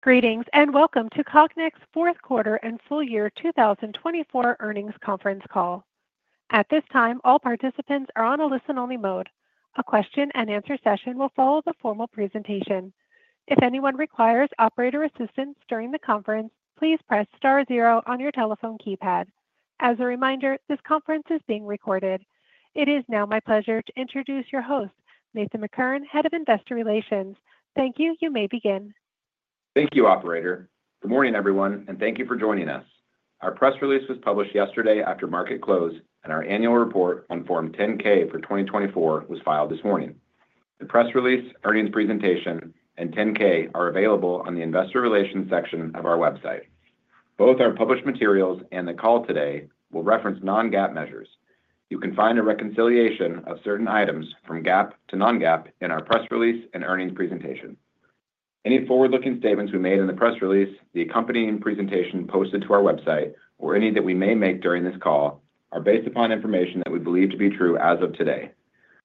Greetings and welcome to Cognex Fourth Quarter and Full Year 2024 Earnings Conference Call. At this time, all participants are on a listen-only mode. A question-and-answer session will follow the formal presentation. If anyone requires operator assistance during the conference, please press star zero on your telephone keypad. As a reminder, this conference is being recorded. It is now my pleasure to introduce your host, Nathan McCurren, Head of Investor Relations. Thank you. You may begin. Thank you, Operator. Good morning, everyone, and thank you for joining us. Our press release was published yesterday after market close, and our annual report on Form 10-K for 2024 was filed this morning. The press release, earnings presentation, and 10-K are available on the investor relations section of our website. Both our published materials and the call today will reference non-GAAP measures. You can find a reconciliation of certain items from GAAP to non-GAAP in our press release and earnings presentation. Any forward-looking statements we made in the press release, the accompanying presentation posted to our website, or any that we may make during this call are based upon information that we believe to be true as of today.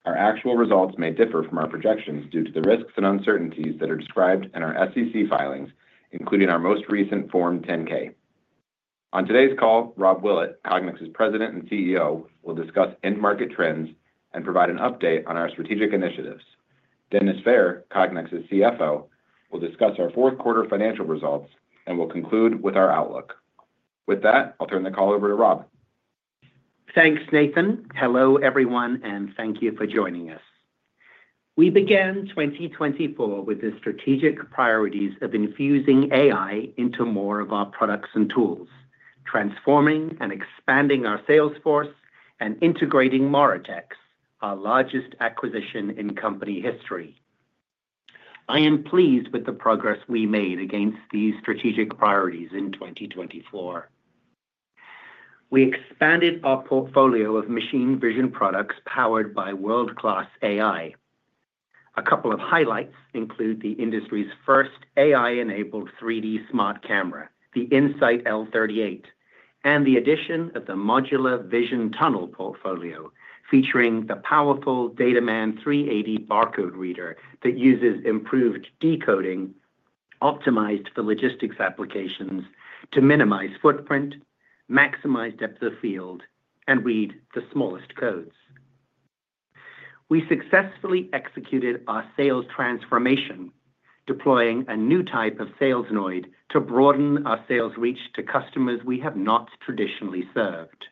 Our actual results may differ from our projections due to the risks and uncertainties that are described in our SEC filings, including our most recent Form 10-K. On today's call, Rob Willett, Cognex's President and CEO, will discuss end-market trends and provide an update on our strategic initiatives. Dennis Fehr, Cognex's CFO, will discuss our fourth quarter financial results and will conclude with our outlook. With that, I'll turn the call over to Rob. Thanks, Nathan. Hello, everyone, and thank you for joining us. We began 2024 with the strategic priorities of infusing AI into more of our products and tools, transforming and expanding our sales force, and integrating MORITEX, our largest acquisition in company history. I am pleased with the progress we made against these strategic priorities in 2024. We expanded our portfolio of machine vision products powered by world-class AI. A couple of highlights include the industry's first AI-enabled 3D smart camera, the In-Sight L38, and the addition of the Modular Vision Tunnel portfolio featuring the powerful DataMan 380 barcode reader that uses improved decoding optimized for logistics applications to minimize footprint, maximize depth of field, and read the smallest codes. We successfully executed our sales transformation, deploying a new type of Salesoid to broaden our sales reach to customers we have not traditionally served.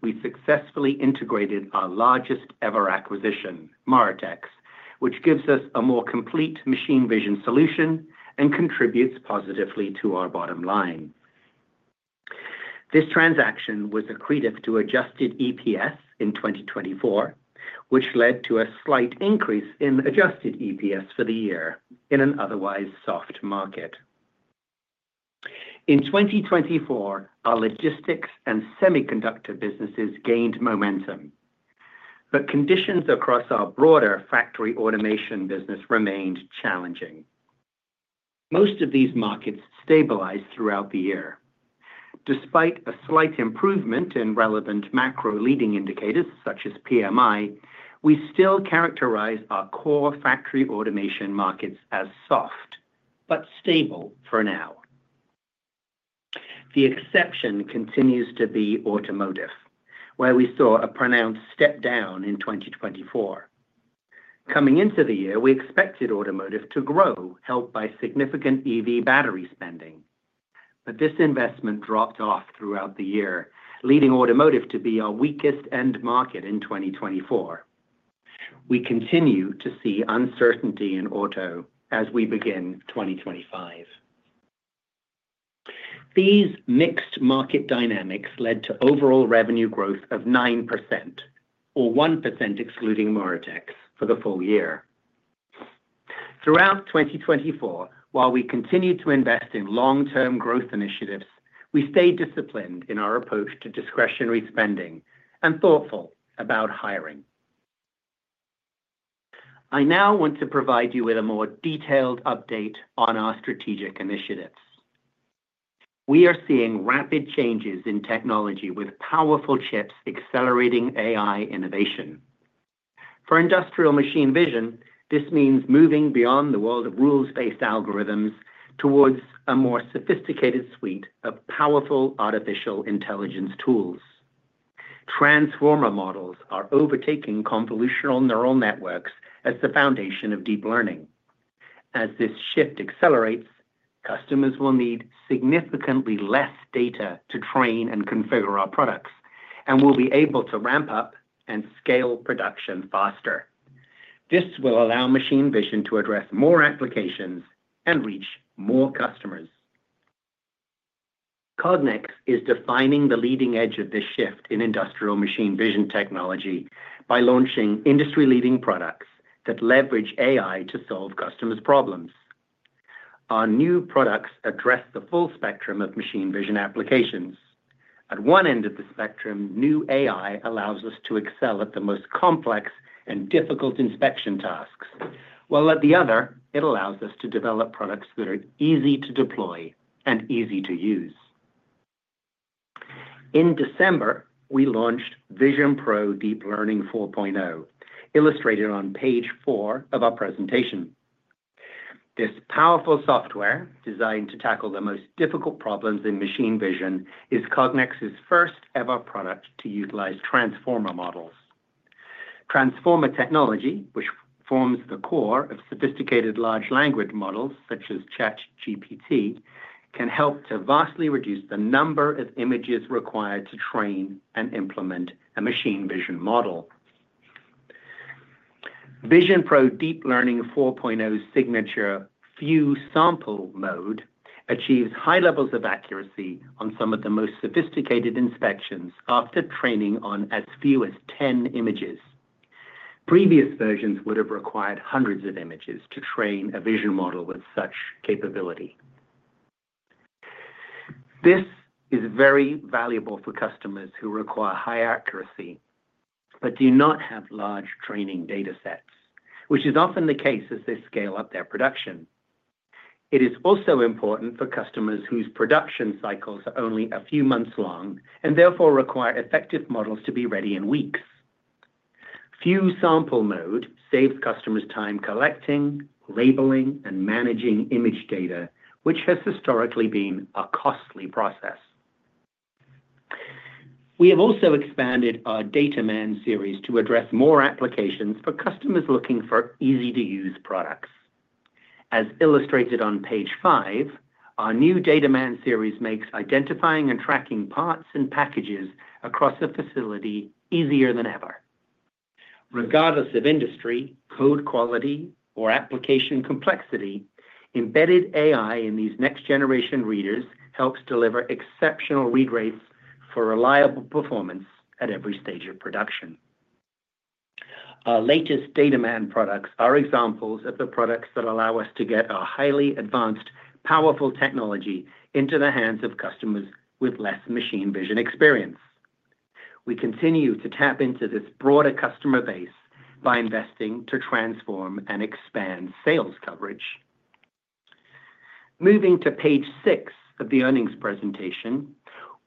We successfully integrated our largest ever acquisition, MORITEX, which gives us a more complete machine vision solution and contributes positively to our bottom line. This transaction was accretive to adjusted EPS in 2024, which led to a slight increase in adjusted EPS for the year in an otherwise soft market. In 2024, our logistics and semiconductor businesses gained momentum, but conditions across our broader factory automation business remained challenging. Most of these markets stabilized throughout the year. Despite a slight improvement in relevant macro leading indicators such as PMI, we still characterize our core factory automation markets as soft but stable for now. The exception continues to be automotive, where we saw a pronounced step down in 2024. Coming into the year, we expected automotive to grow, helped by significant EV battery spending. but this investment dropped off throughout the year, leading automotive to be our weakest end market in 2024. We continue to see uncertainty in auto as we begin 2025. These mixed market dynamics led to overall revenue growth of 9%, or 1% excluding MORITEX, for the full year. Throughout 2024, while we continued to invest in long-term growth initiatives, we stayed disciplined in our approach to discretionary spending and thoughtful about hiring. I now want to provide you with a more detailed update on our strategic initiatives. We are seeing rapid changes in technology with powerful chips accelerating AI innovation. For industrial machine vision, this means moving beyond the world of rules-based algorithms towards a more sophisticated suite of powerful artificial intelligence tools. Transformer models are overtaking convolutional neural networks as the foundation of deep learning. As this shift accelerates, customers will need significantly less data to train and configure our products and will be able to ramp up and scale production faster. This will allow machine vision to address more applications and reach more customers. Cognex is defining the leading edge of this shift in industrial machine vision technology by launching industry-leading products that leverage AI to solve customers' problems. Our new products address the full spectrum of machine vision applications. At one end of the spectrum, new AI allows us to excel at the most complex and difficult inspection tasks, while at the other, it allows us to develop products that are easy to deploy and easy to use. In December, we launched VisionPro Deep Learning 4.0, illustrated on page four of our presentation. This powerful software, designed to tackle the most difficult problems in machine vision, is Cognex's first ever product to utilize transformer models. Transformer technology, which forms the core of sophisticated large language models such as ChatGPT, can help to vastly reduce the number of images required to train and implement a machine vision model. VisionPro Deep Learning 4.0's signature few sample mode achieves high levels of accuracy on some of the most sophisticated inspections after training on as few as 10 images. Previous versions would have required hundreds of images to train a vision model with such capability. This is very valuable for customers who require high accuracy but do not have large training data sets, which is often the case as they scale up their production. It is also important for customers whose production cycles are only a few months long and therefore require effective models to be ready in weeks. Few-sample mode saves customers time collecting, labeling, and managing image data, which has historically been a costly process. We have also expanded our DataMan series to address more applications for customers looking for easy-to-use products. As illustrated on page five, our new DataMan series makes identifying and tracking parts and packages across a facility easier than ever. Regardless of industry, code quality, or application complexity, embedded AI in these next-generation readers helps deliver exceptional read rates for reliable performance at every stage of production. Our latest DataMan products are examples of the products that allow us to get our highly advanced, powerful technology into the hands of customers with less machine vision experience. We continue to tap into this broader customer base by investing to transform and expand sales coverage. Moving to page six of the earnings presentation,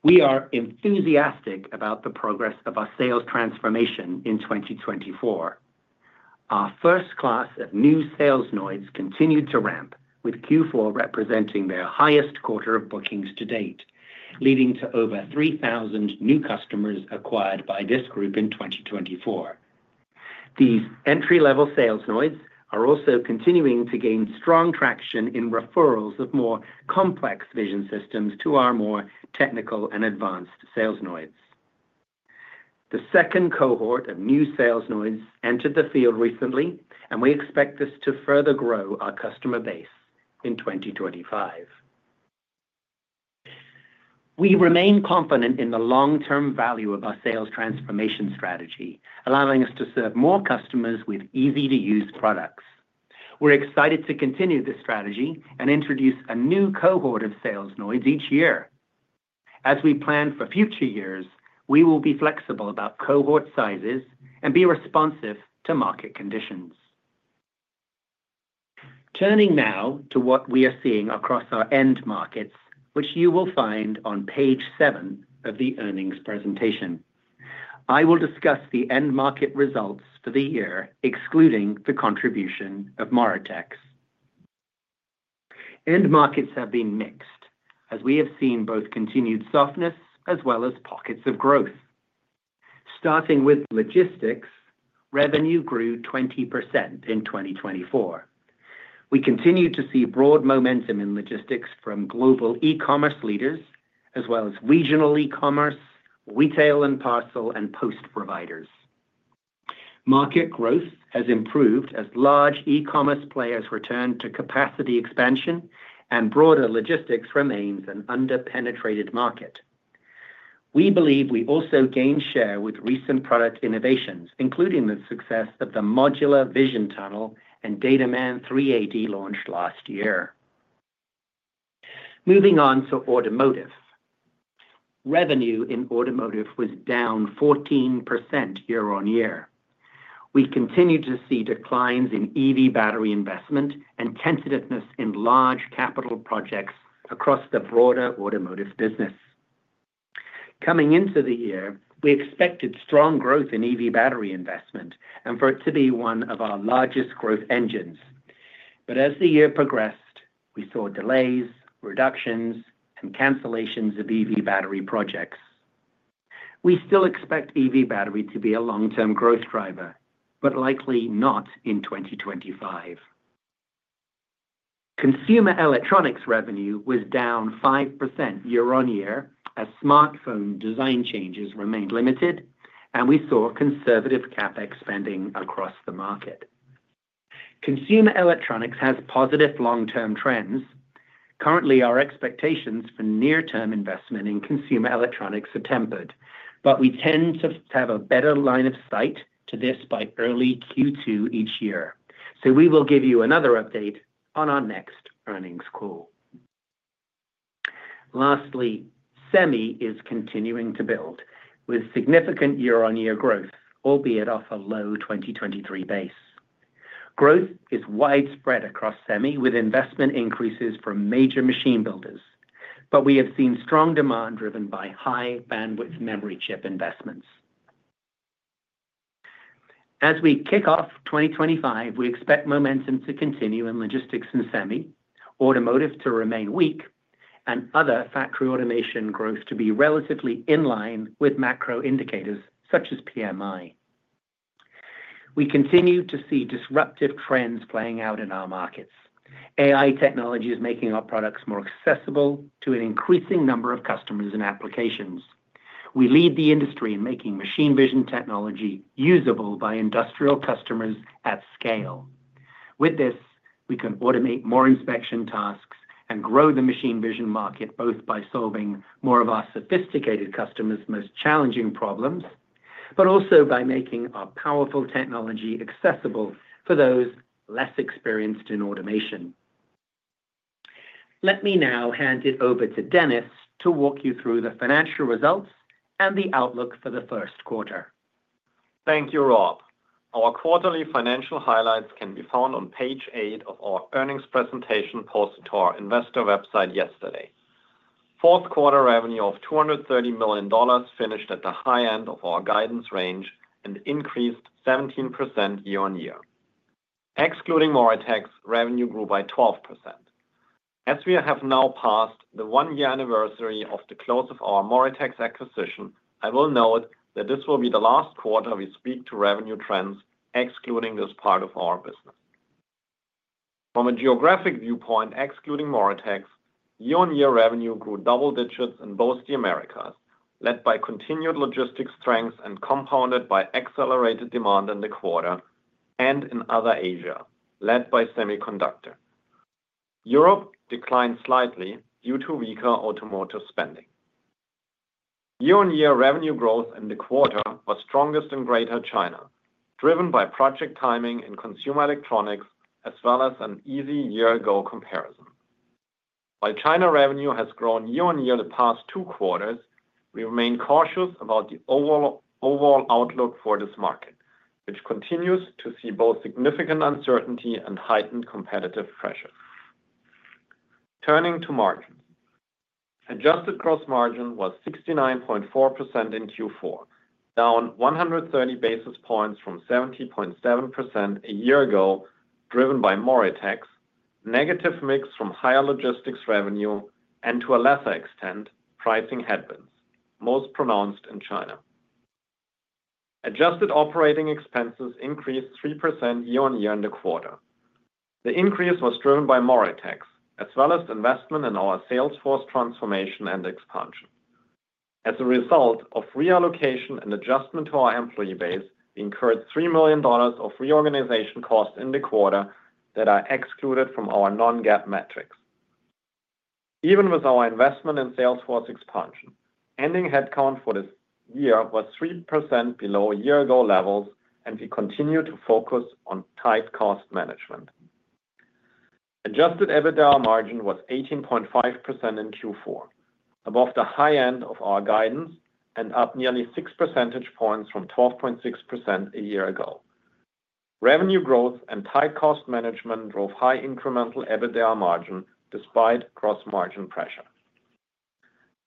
we are enthusiastic about the progress of our sales transformation in 2024. Our first class of new Salesoids continued to ramp, with Q4 representing their highest quarter of bookings to date, leading to over 3,000 new customers acquired by this group in 2024. These entry-level Salesoids are also continuing to gain strong traction in referrals of more complex vision systems to our more technical and advanced Salesoids. The second cohort of new Salesoids entered the field recently, and we expect this to further grow our customer base in 2025. We remain confident in the long-term value of our sales transformation strategy, allowing us to serve more customers with easy-to-use products. We're excited to continue this strategy and introduce a new cohort of Salesoids each year. As we plan for future years, we will be flexible about cohort sizes and be responsive to market conditions. Turning now to what we are seeing across our end markets, which you will find on page seven of the earnings presentation. I will discuss the end market results for the year, excluding the contribution of MORITEX. End markets have been mixed, as we have seen both continued softness as well as pockets of growth. Starting with logistics, revenue grew 20% in 2024. We continue to see broad momentum in logistics from global e-commerce leaders as well as regional e-commerce, retail and parcel, and post providers. Market growth has improved as large e-commerce players returned to capacity expansion, and broader logistics remains an under-penetrated market. We believe we also gained share with recent product innovations, including the success of the Modular Vision Tunnel and DataMan 380 launched last year. Moving on to automotive, revenue in automotive was down 14% year-on-year. We continue to see declines in EV battery investment and tentativeness in large capital projects across the broader automotive business. Coming into the year, we expected strong growth in EV battery investment and for it to be one of our largest growth engines. But as the year progressed, we saw delays, reductions, and cancellations of EV battery projects. We still expect EV battery to be a long-term growth driver, but likely not in 2025. Consumer electronics revenue was down 5% year-on-year as smartphone design changes remained limited, and we saw conservative CapEx spending across the market. Consumer electronics has positive long-term trends. Currently, our expectations for near-term investment in consumer electronics are tempered, but we tend to have a better line of sight to this by early Q2 each year. So we will give you another update on our next earnings call. Lastly, SEMI is continuing to build with significant year-on-year growth, albeit off a low 2023 base. Growth is widespread across SEMI with investment increases from major machine builders, but we have seen strong demand driven by high bandwidth memory chip investments. As we kick off 2025, we expect momentum to continue in logistics and SEMI, automotive to remain weak, and other factory automation growth to be relatively in line with macro indicators such as PMI. We continue to see disruptive trends playing out in our markets. AI technology is making our products more accessible to an increasing number of customers and applications. We lead the industry in making machine vision technology usable by industrial customers at scale. With this, we can automate more inspection tasks and grow the machine vision market both by solving more of our sophisticated customers' most challenging problems, but also by making our powerful technology accessible for those less experienced in automation. Let me now hand it over to Dennis to walk you through the financial results and the outlook for the first quarter. Thank you, Rob. Our quarterly financial highlights can be found on page eight of our earnings presentation posted to our investor website yesterday. Fourth quarter revenue of $230 million finished at the high end of our guidance range and increased 17% year-on-year. Excluding MORITEX, revenue grew by 12%. As we have now passed the one-year anniversary of the close of our MORITEX acquisition, I will note that this will be the last quarter we speak to revenue trends, excluding this part of our business. From a geographic viewpoint, excluding MORITEX year-on-year revenue grew double digits in both the Americas, led by continued logistics strength and compounded by accelerated demand in the quarter and in other Asia, led by semiconductor. Europe declined slightly due to weaker automotive spending. Year-on-year revenue growth in the quarter was strongest in Greater China, driven by project timing and consumer electronics, as well as an easy year-ago comparison. While China revenue has grown year-on-year the past two quarters, we remain cautious about the overall outlook for this market, which continues to see both significant uncertainty and heightened competitive pressure. Turning to margins, adjusted gross margin was 69.4% in Q4, down 130 basis points from 70.7% a year ago, driven by MORITEX, negative mix from higher logistics revenue, and to a lesser extent, pricing headwinds, most pronounced in China. Adjusted operating expenses increased 3% year-on-year in the quarter. The increase was driven by MORITEX, as well as investment in our sales force transformation and expansion. As a result of reallocation and adjustment to our employee base, we incurred $3 million of reorganization costs in the quarter that are excluded from our non-GAAP metrics. Even with our investment in sales force expansion, ending headcount for this year was 3% below year-ago levels, and we continue to focus on tight cost management. Adjusted EBITDA margin was 18.5% in Q4, above the high end of our guidance and up nearly six percentage points from 12.6% a year ago. Revenue growth and tight cost management drove high incremental EBITDA margin despite gross margin pressure.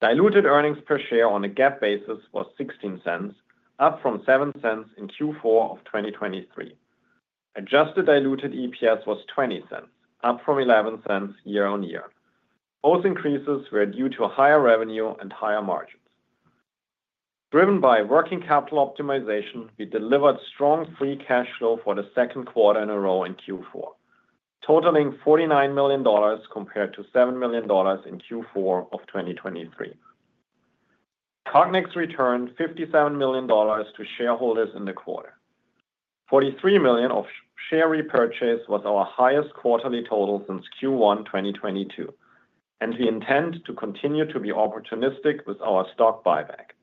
Diluted earnings per share on a GAAP basis was $0.16, up from $0.07 in Q4 of 2023. Adjusted diluted EPS was $0.20, up from $0.11 year-on-year. Both increases were due to higher revenue and higher margins. Driven by working capital optimization, we delivered strong free cash flow for the second quarter in a row in Q4, totaling $49 million compared to $7 million in Q4 of 2023. Cognex returned $57 million to shareholders in the quarter. $43 million of share repurchase was our highest quarterly total since Q1 2022, and we intend to continue to be opportunistic with our stock buyback.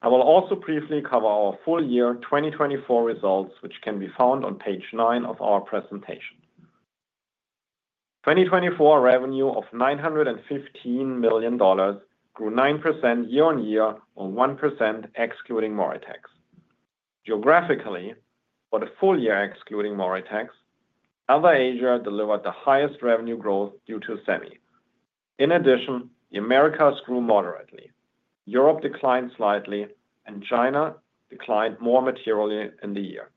I will also briefly cover our full year 2024 results, which can be found on page nine of our presentation. 2024 revenue of $915 million grew 9% year-on-year or 1% excluding MORITEX. Geographically, for the full year excluding MORITEX, other Asia delivered the highest revenue growth due to SEMI. In addition, the Americas grew moderately, Europe declined slightly, and China declined more materially in the year.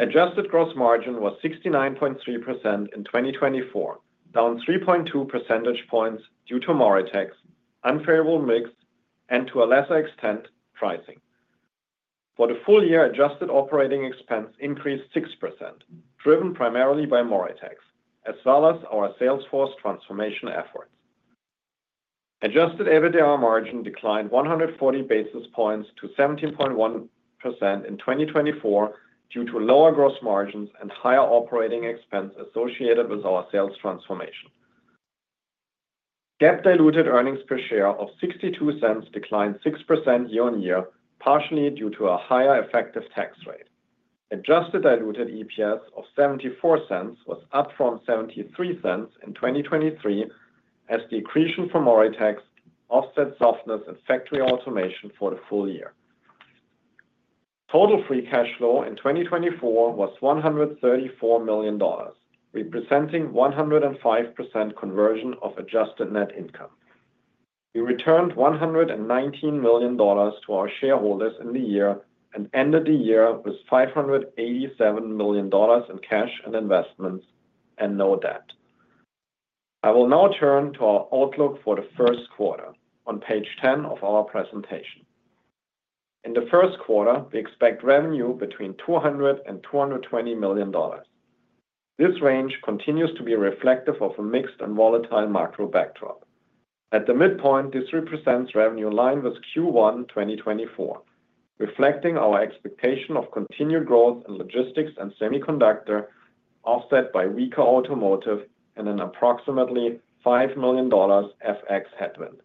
Adjusted gross margin was 69.3% in 2024, down 3.2 percentage points due to MORITEX unfavorable mix, and to a lesser extent, pricing. For the full year, adjusted operating expense increased 6%, driven primarily by MORITEX, as well as our sales force transformation efforts. Adjusted EBITDA margin declined 140 basis points to 17.1% in 2024 due to lower gross margins and higher operating expense associated with our sales transformation. GAAP diluted earnings per share of $0.62 declined 6% year-on-year, partially due to a higher effective tax rate. Adjusted diluted EPS of $0.74 was up from $0.73 in 2023, as the accretion from MORITEX offset softness and factory automation for the full year. Total free cash flow in 2024 was $134 million, representing 105% conversion of adjusted net income. We returned $119 million to our shareholders in the year and ended the year with $587 million in cash and investments and no debt. I will now turn to our outlook for the first quarter on page 10 of our presentation. In the first quarter, we expect revenue between $200 million and $220 million. This range continues to be reflective of a mixed and volatile macro backdrop. At the midpoint, this represents revenue aligned with Q1 2024, reflecting our expectation of continued growth in logistics and semiconductor, offset by weaker automotive and an approximately $5 million FX headwind.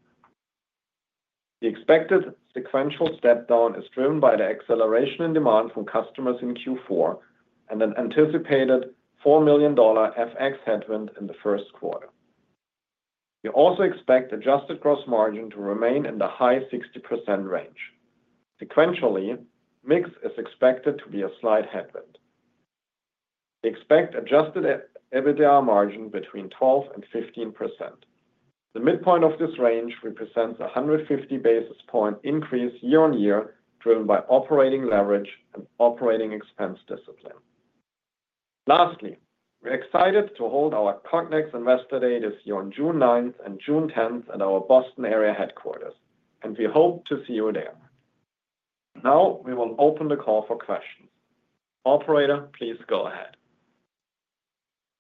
The expected sequential step down is driven by the acceleration in demand from customers in Q4 and an anticipated $4 million FX headwind in the first quarter. We also expect Adjusted gross margin to remain in the high 60% range. Sequentially, mix is expected to be a slight headwind. We expect Adjusted EBITDA margin between 12% and 15%. The midpoint of this range represents a 150 basis point increase year-on-year, driven by operating leverage and operating expense discipline. Lastly, we're excited to hold our Cognex Investor Day this year on June 9th and June 10th at our Boston area headquarters, and we hope to see you there. Now we will open the call for questions. Operator, please go ahead.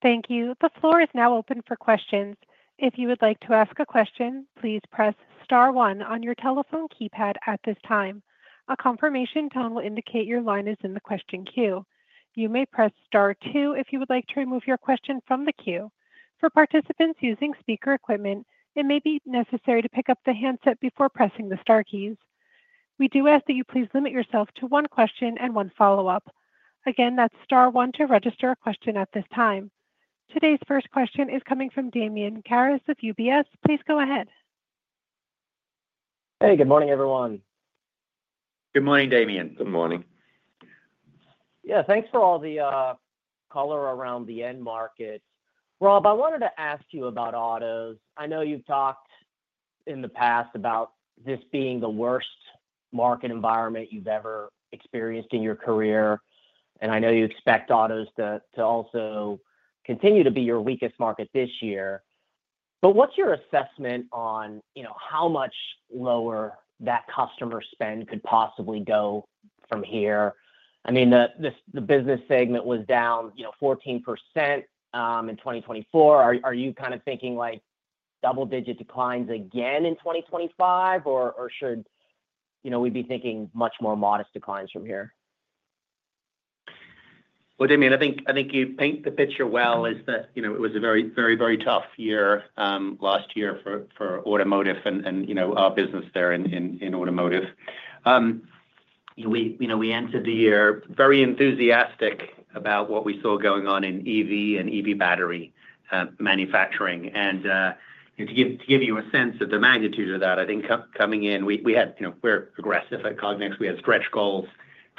Thank you. The floor is now open for questions. If you would like to ask a question, please press star one on your telephone keypad at this time. A confirmation tone will indicate your line is in the question queue. You may press star two if you would like to remove your question from the queue. For participants using speaker equipment, it may be necessary to pick up the handset before pressing the star keys. We do ask that you please limit yourself to one question and one follow-up. Again, that's star one to register a question at this time. Today's first question is coming from Damian Karas of UBS. Please go ahead. Hey, good morning, everyone. Good morning, Damian. Good morning. Yeah, thanks for all the color around the end markets. Rob, I wanted to ask you about autos. I know you've talked in the past about this being the worst market environment you've ever experienced in your career, and I know you expect autos to also continue to be your weakest market this year. What's your assessment on how much lower that customer spend could possibly go from here? I mean, the business segment was down 14% in 2024. Are you kind of thinking double-digit declines again in 2025, or should we be thinking much more modest declines from here? Damian, I think you paint the picture well as it was a very, very, very tough year last year for automotive and our business there in automotive. We entered the year very enthusiastic about what we saw going on in EV and EV battery manufacturing. And to give you a sense of the magnitude of that, I think coming in, we had - we're aggressive at Cognex. We had stretch goals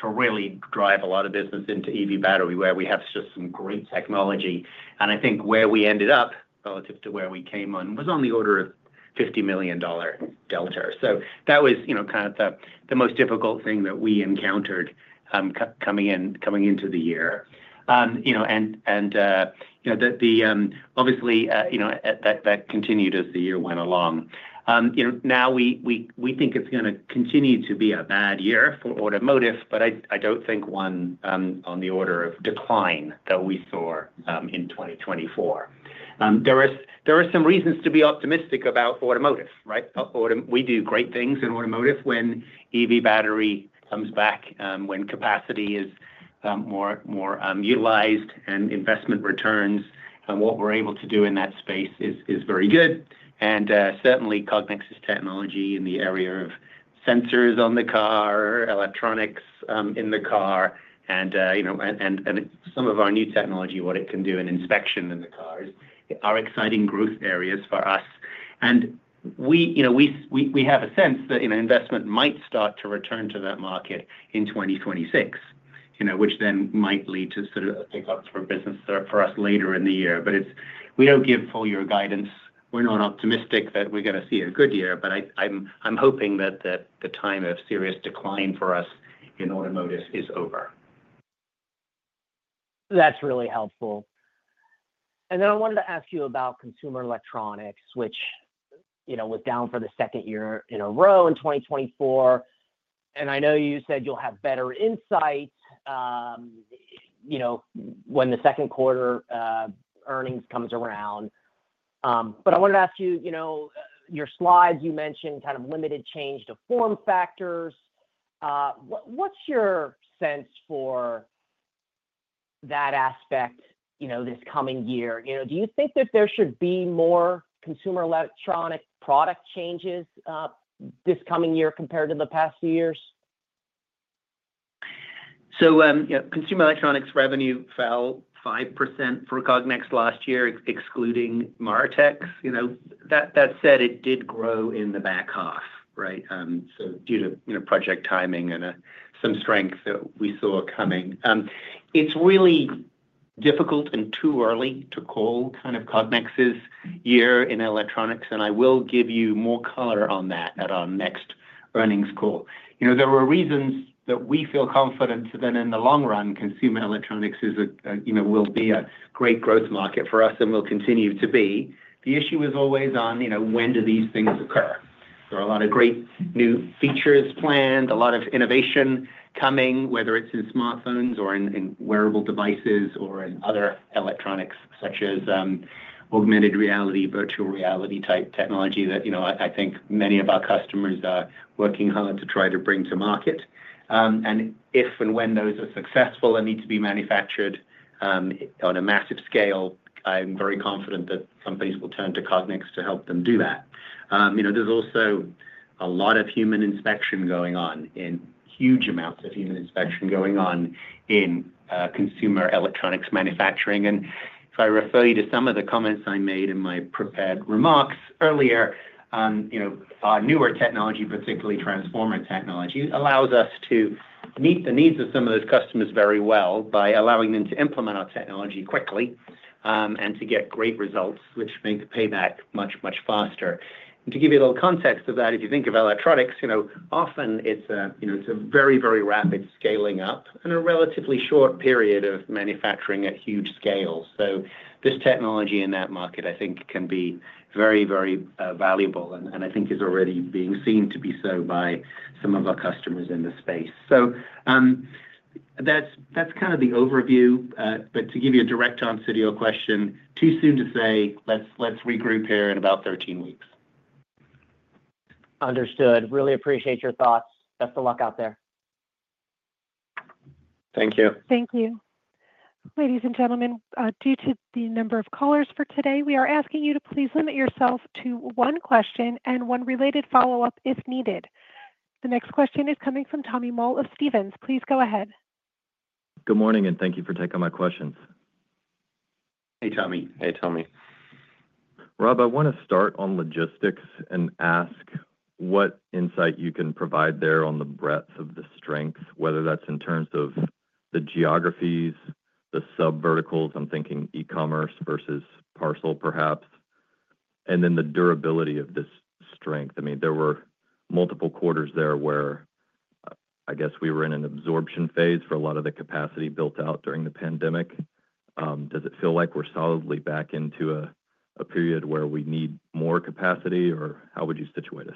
to really drive a lot of business into EV battery, where we have just some great technology. I think where we ended up relative to where we came on was on the order of $50 million delta. That was kind of the most difficult thing that we encountered coming into the year. Obviously, that continued as the year went along. Now we think it's going to continue to be a bad year for automotive, but I don't think one on the order of decline that we saw in 2024. There are some reasons to be optimistic about automotive, right? We do great things in automotive when EV battery comes back, when capacity is more utilized, and investment returns. What we're able to do in that space is very good. And certainly, Cognex's technology in the area of sensors on the car, electronics in the car, and some of our new technology, what it can do in inspection in the cars, are exciting growth areas for us. And we have a sense that investment might start to return to that market in 2026, which then might lead to sort of a pickup for business for us later in the year. But we don't give full-year guidance. We're not optimistic that we're going to see a good year, but I'm hoping that the time of serious decline for us in automotive is over. That's really helpful. And then I wanted to ask you about consumer electronics, which was down for the second year in a row in 2024. And I know you said you'll have better insight when the second quarter earnings come around. But I wanted to ask you, your slides. You mentioned kind of limited change to form factors. What's your sense for that aspect this coming year? Do you think that there should be more consumer electronics product changes this coming year compared to the past few years? So consumer electronics revenue fell 5% for Cognex last year, excluding MORITEX. That said, it did grow in the back half, right? So due to project timing and some strength that we saw coming. It's really difficult and too early to call kind of Cognex's year in electronics, and I will give you more color on that at our next earnings call. There were reasons that we feel confident that in the long-run, consumer electronics will be a great growth market for us and will continue to be. The issue is always on when do these things occur. There are a lot of great new features planned, a lot of innovation coming, whether it's in smartphones or in wearable devices or in other electronics, such as augmented reality, virtual reality type technology that I think many of our customers are working hard to try to bring to market. And if and when those are successful and need to be manufactured on a massive scale, I'm very confident that companies will turn to Cognex to help them do that. There's also a lot of human inspection going on, huge amounts of human inspection going on in consumer electronics manufacturing. If I refer you to some of the comments I made in my prepared remarks earlier, our newer technology, particularly transformer technology, allows us to meet the needs of some of those customers very well by allowing them to implement our technology quickly and to get great results, which may pay back much, much faster. To give you a little context of that, if you think of electronics, often it's a very, very rapid scaling up and a relatively short period of manufacturing at huge scales. This technology in that market, I think, can be very, very valuable, and I think is already being seen to be so by some of our customers in the space. That's kind of the overview. To give you a direct answer to your question, too soon to say, let's regroup here in about 13 weeks. Understood. Really appreciate your thoughts. Best of luck out there. Thank you. Thank you. Ladies and gentlemen, due to the number of callers for today, we are asking you to please limit yourself to one question and one related follow-up if needed. The next question is coming from Tommy Moll of Stephens. Please go ahead. Good morning, and thank you for taking my questions. Hey, Tommy. Hey, Tommy. Rob, I want to start on logistics and ask what insight you can provide there on the breadth of the strength, whether that's in terms of the geographies, the subverticals, I'm thinking e-commerce versus parcel, perhaps, and then the durability of this strength. I mean, there were multiple quarters there where I guess we were in an absorption phase for a lot of the capacity built out during the pandemic. Does it feel like we're solidly back into a period where we need more capacity, or how would you situate us?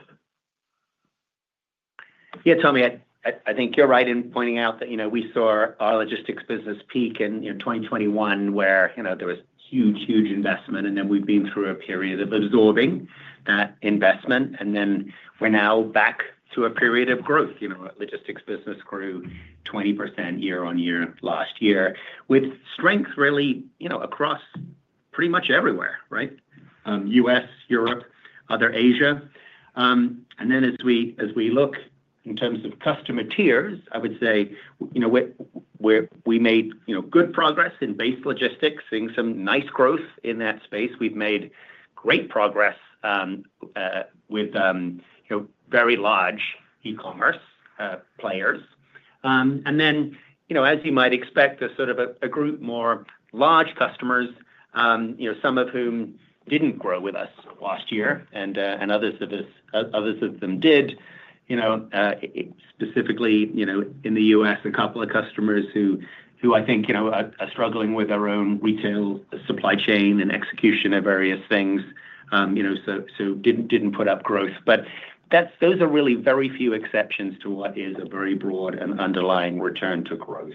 Yeah, Tommy, I think you're right in pointing out that we saw our logistics business peak in 2021 where there was huge, huge investment, and then we've been through a period of absorbing that investment, and then we're now back to a period of growth. Logistics business grew 20% year-on-year last year with strength really across pretty much everywhere, right? US, Europe, other Asia. And then as we look in terms of customer tiers, I would say we made good progress in base logistics, seeing some nice growth in that space. We've made great progress with very large e-commerce players. And then, as you might expect, there's sort of a group more large customers, some of whom didn't grow with us last year, and others of them did. Specifically, in the U.S., a couple of customers who I think are struggling with their own retail supply chain and execution of various things, so didn't put up growth. But those are really very few exceptions to what is a very broad and underlying return to growth.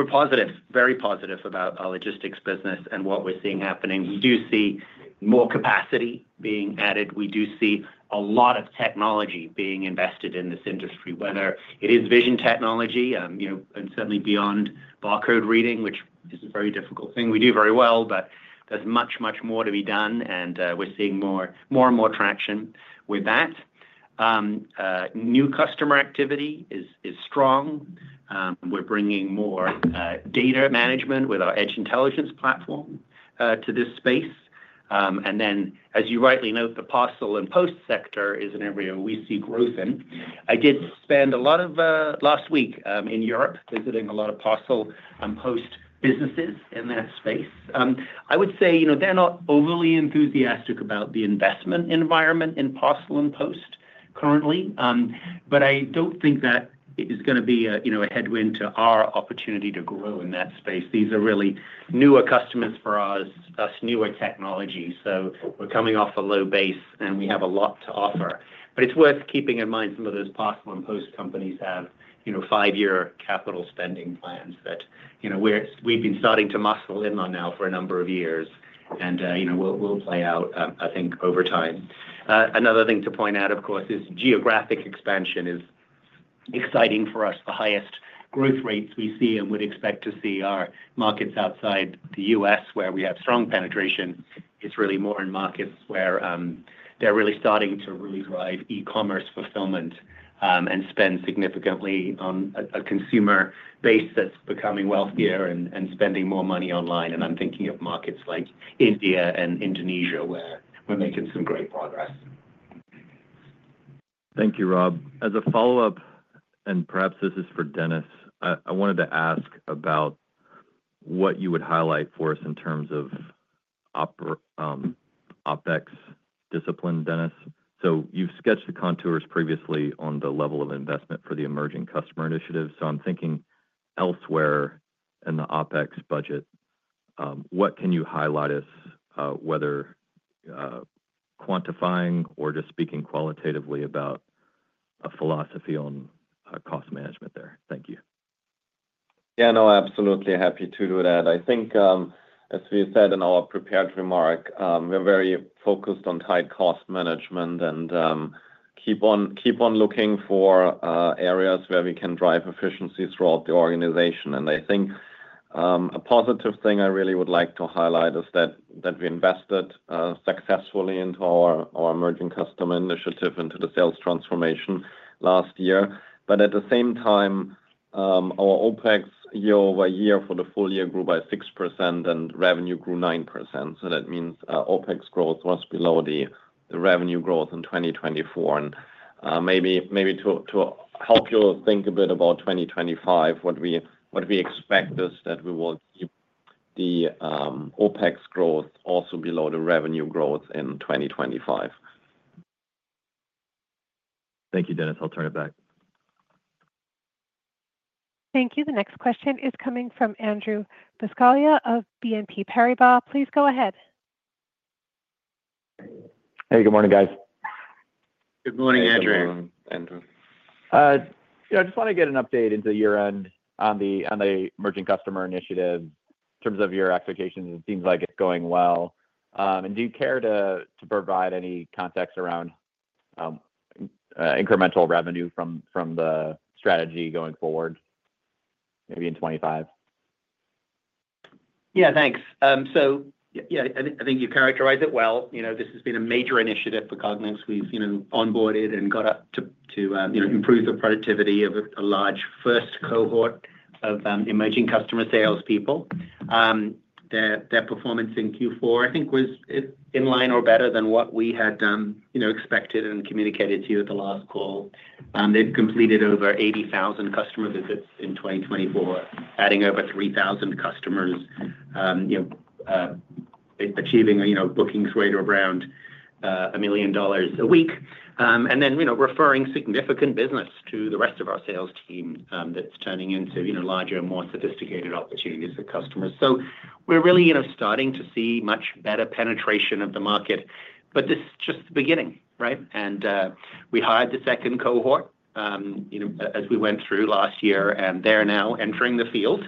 We're positive, very positive about our logistics business and what we're seeing happening. We do see more capacity being added. We do see a lot of technology being invested in this industry, whether it is vision technology and certainly beyond barcode reading, which is a very difficult thing we do very well, but there's much, much more to be done, and we're seeing more and more traction with that. New customer activity is strong. We're bringing more data management with our edge intelligence platform to this space. As you rightly note, the parcel and post sector is an area we see growth in. I did spend a lot of last week in Europe visiting a lot of parcel and post businesses in that space. I would say they're not overly enthusiastic about the investment environment in parcel and post currently, but I don't think that it is going to be a headwind to our opportunity to grow in that space. These are really newer customers for us, newer technology. So we're coming off a low base, and we have a lot to offer. But it's worth keeping in mind some of those parcel and post companies have five-year capital spending plans that we've been starting to muscle in on now for a number of years, and we'll play out, I think, over time. Another thing to point out, of course, is geographic expansion is exciting for us. The highest growth rates we see and would expect to see are markets outside the U.S. where we have strong penetration. It's really more in markets where they're really starting to really drive e-commerce fulfillment and spend significantly on a consumer base that's becoming wealthier and spending more money online, and I'm thinking of markets like India and Indonesia where we're making some great progress. Thank you, Rob. As a follow-up, and perhaps this is for Dennis, I wanted to ask about what you would highlight for us in terms of OpEx discipline, Dennis, so you've sketched the contours previously on the level of investment for the emerging customer initiative, so I'm thinking elsewhere in the OpEx budget. What can you highlight us, whether quantifying or just speaking qualitatively about a philosophy on cost management there? Thank you. Yeah, no, absolutely happy to do that. I think, as we said in our prepared remark, we're very focused on tight cost management and keep on looking for areas where we can drive efficiencies throughout the organization. And I think a positive thing I really would like to highlight is that we invested successfully into our emerging customer initiative into the sales transformation last year. But at the same time, our OpEx year-over-year for the full year grew by 6%, and revenue grew 9%. So that means OpEx growth was below the revenue growth in 2024. And maybe to help you think a bit about 2025, what we expect is that we will keep the OpEx growth also below the revenue growth in 2025. Thank you, Dennis. I'll turn it back. Thank you. The next question is coming from Andrew Buscaglia of BNP Paribas. Please go ahead. Hey, good morning, guys. Good morning Andrew Andrew. Yeah, I just want to get an update into year-end on the emerging customer initiative. In terms of your expectations, it seems like it's going well. And do you care to provide any context around incremental revenue from the strategy going forward, maybe in 2025? Yeah, thanks. So yeah, I think you characterize it well. This has been a major initiative for Cognex. We've on-boarded and got to improve the productivity of a large first cohort of emerging customer sales people. Their performance in Q4, I think, was in line or better than what we had expected and communicated to you at the last call. They've completed over 80,000 customer visits in 2024, adding over 3,000 customers, achieving a bookings rate of around $1 million a week. And then we're referring significant business to the rest of our sales team that's turning into larger and more sophisticated opportunities for customers. So we're really starting to see much better penetration of the market, but this is just the beginning, right? And we hired the second cohort as we went through last year, and they're now entering the field.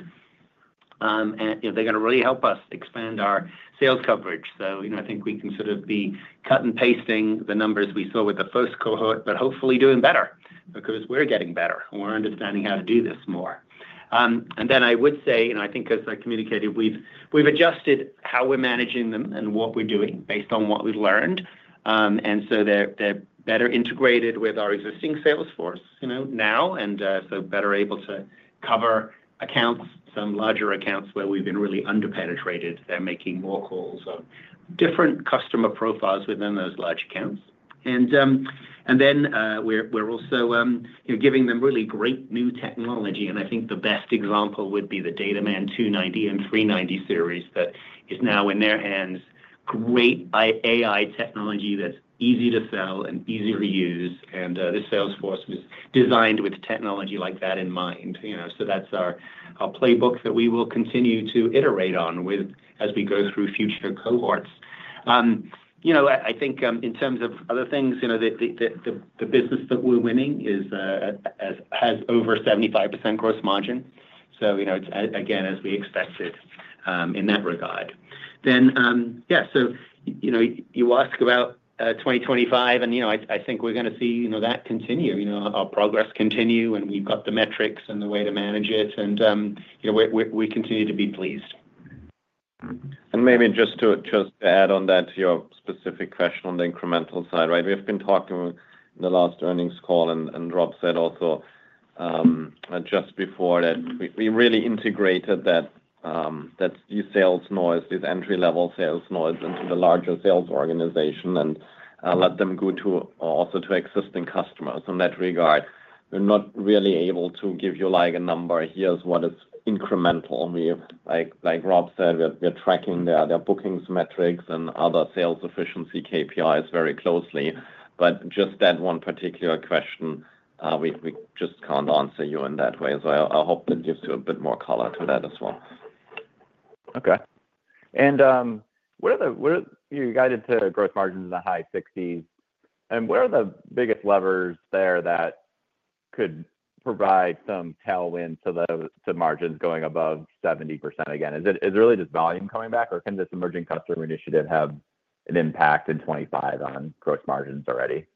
And they're going to really help us expand our sales coverage. So I think we can sort of be cutting and pasting the numbers we saw with the first cohort, but hopefully doing better because we're getting better and we're understanding how to do this more. And then I would say, and I think as I communicated, we've adjusted how we're managing them and what we're doing based on what we've learned. And so they're better integrated with our existing sales force now, and so better able to cover accounts, some larger accounts where we've been really under-penetrated. They're making more calls on different customer profiles within those large accounts. And then we're also giving them really great new technology. And I think the best example would be the DataMan 290 and 390 series that is now in their hands, great AI technology that's easy to sell and easy to use. And this salesforce was designed with technology like that in mind. So that's our playbook that we will continue to iterate on as we go through future cohorts. I think in terms of other things, the business that we're winning has over 75% gross margin. So it's, again, as we expected in that regard. Yeah, so you ask about 2025, and I think we're going to see that continue, our progress continue, and we've got the metrics and the way to manage it, and we continue to be pleased. And maybe just to add on that to your specific question on the incremental side, right? We have been talking in the last earnings call, and Rob said also just before that we really integrated that new sales force, this entry-level sales force into the larger sales organization and let them go also to existing customers. In that regard, we're not really able to give you a number. Here's what is incremental. Like Rob said, we're tracking their bookings metrics and other sales efficiency KPIs very closely. But just that one particular question, we just can't answer you in that way. I hope that gives you a bit more color to that as well. Okay. What are the gross margins you're guided to in the high 60s? What are the biggest levers there that could provide some tailwind to margins going above 70% again? Is it really just volume coming back, or can this emerging customer initiative have an impact in 2025 on gross margins already?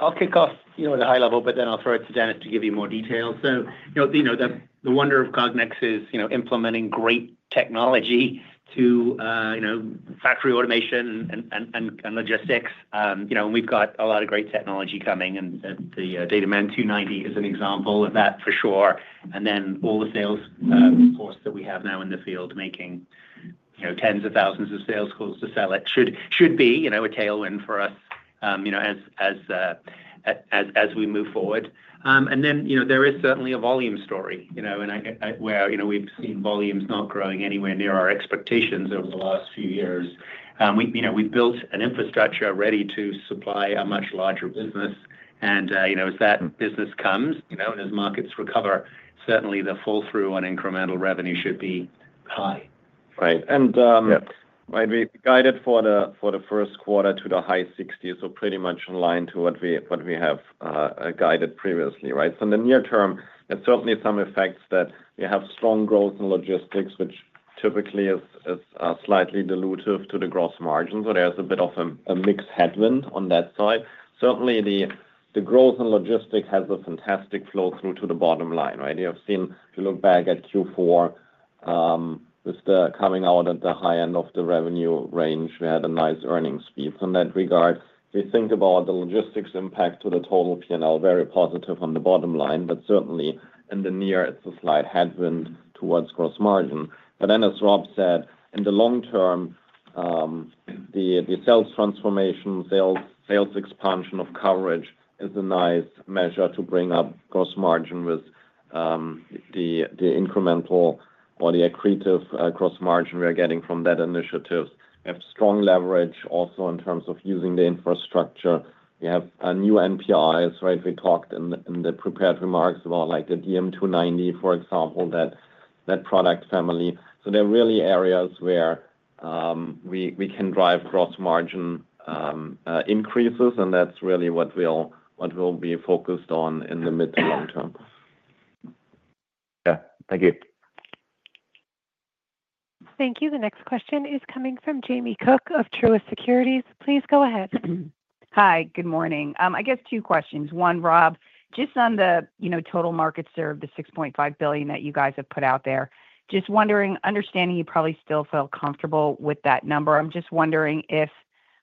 I'll kick off at a high level, but then I'll throw it to Dennis to give you more details. The wonder of Cognex is implementing great technology to factory automation and logistics. We've got a lot of great technology coming, and the DataMan 290 is an example of that for sure. And then all the sales force that we have now in the field making tens of thousands of sales calls to sell it should be a tailwind for us as we move forward. And then there is certainly a volume story, and where we've seen volumes not growing anywhere near our expectations over the last few years. We've built an infrastructure ready to supply a much larger business. And as that business comes and as markets recover, certainly the fall through on incremental revenue should be high. Right. And we're guided for the first quarter to the high 60s, so pretty much in line to what we have guided previously, right? So in the near-term, there's certainly some effects that we have strong growth in logistics, which typically is slightly dilutive to the gross margins. So there's a bit of a mixed headwind on that side. Certainly, the growth in logistics has a fantastic flow through to the bottom line, right? You have seen, if you look back at Q4, with the coming out at the high end of the revenue range, we had a nice earnings speed. So in that regard, if you think about the logistics impact to the total P&L, very positive on the bottom line, but certainly in the near, it's a slight headwind towards gross margin. But then, as Rob said, in the long-term, the sales transformation, sales expansion of coverage is a nice measure to bring up gross margin with the incremental or the accretive gross margin we're getting from that initiative. We have strong leverage also in terms of using the infrastructure. We have new NPIs, right? We talked in the prepared remarks about the DM290, for example, that product family. So there are really areas where we can drive gross margin increases, and that's really what we'll be focused on in the mid to long-term. Yeah. Thank you. Thank you. The next question is coming from Jamie Cook of Truist Securities. Please go ahead. Hi. Good morning. I guess two questions. One, Rob, just on the total markets serve, the $6.5 billion that you guys have put out there. Just wondering, understanding you probably still feel comfortable with that number, I'm just wondering if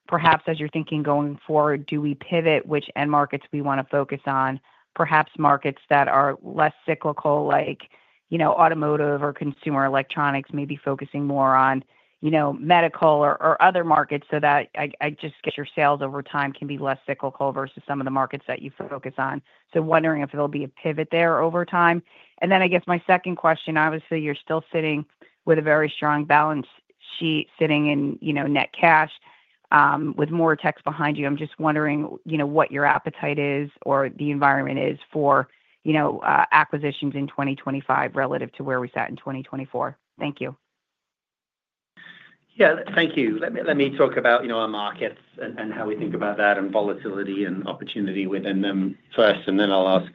perhaps, as you're thinking going forward, do we pivot which end markets we want to focus on? Perhaps markets that are less cyclical, like automotive or consumer electronics, maybe focusing more on medical or other markets so that I just get your sales over time can be less cyclical versus some of the markets that you focus on. Wondering if there'll be a pivot there over time. Then I guess my second question, obviously, you're still sitting with a very strong balance sheet sitting in net cash with more techs behind you. I'm just wondering what your appetite is or the environment is for acquisitions in 2025 relative to where we sat in 2024. Thank you. Yeah. Thank you. Let me talk about our markets and how we think about that and volatility and opportunity within them first. Then I'll ask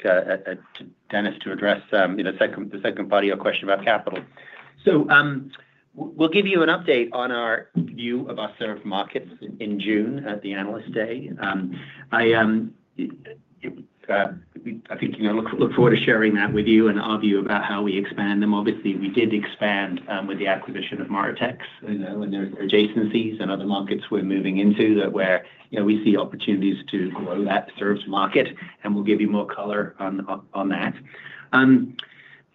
Dennis to address the second part of your question about capital. We'll give you an update on our view of our served markets in June at the Analyst Day. I think I look forward to sharing that with you and our view about how we expand them. Obviously, we did expand with the acquisition of MORITEX and their adjacencies and other markets we're moving into that, where we see opportunities to grow that served market, and we'll give you more color on that.